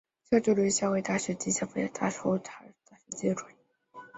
先后就读于夏威夷大学及加利福尼亚州哈里大学机械专业。